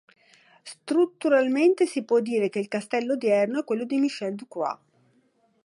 Strutturalmente si può dire che il castello odierno è quello di Michel de Croÿ.